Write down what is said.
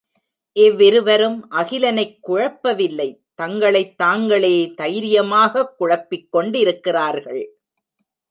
இவ்விருவரும் அகிலனைக் குழப்பவில்லை தங்களைத் தாங்களே தைரியமாகக் குழப்பிக் கொண்டிருக்கிறார்கள்.